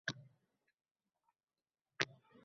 dunyo umuman boshqacha tusga kirarkan.